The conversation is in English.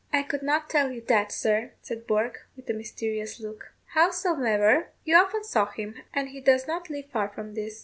"I could not tell you that, sir," said Bourke, with a mysterious look; "howsomever, you often saw him, and he does not live far from this.